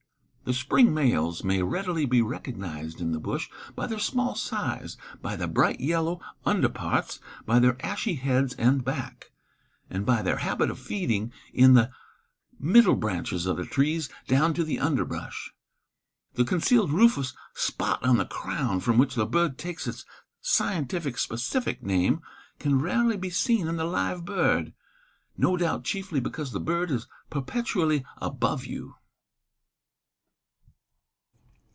The spring males may readily be recognized in the bush by their small size, by the bright yellow underparts, by their ashy heads and back, and by their habit of feeding in the middle branches of the trees down to the underbrush. The concealed rufous spot on the crown, from which the bird takes its scientific specific name, can rarely be seen in the live bird, no doubt chiefly because the bird is perpetually above you.